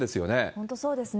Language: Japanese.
本当そうですよね。